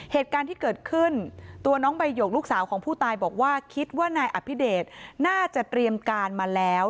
เหตุการณ์ที่เกิดขึ้นตัวน้องใบหยกลูกสาวของผู้ตายบอกว่าคิดว่านายอภิเดชน่าจะเตรียมการมาแล้ว